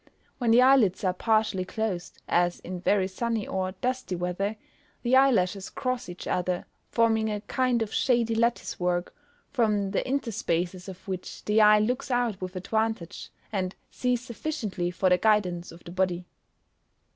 When the eyelids are partially closed, as in very sunny or dusty weather, the eyelashes cross each other, forming a kind of shady lattice work, from the interspaces of which the eye looks out with advantage, and sees sufficiently for the guidance of the body.